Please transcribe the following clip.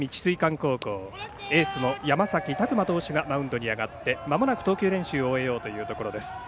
高校エースの山崎琢磨投手がマウンドに上がってまもなく投球練習を終えようというところです。